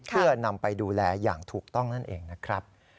เพื่อนำไปดูแลอย่างถูกต้องนั่นเองนะครับ